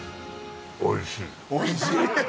おいしい。